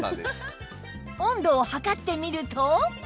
温度を測ってみると